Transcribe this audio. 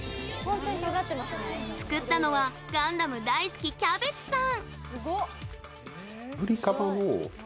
作ったのはガンダム大好き、きゃべつさん。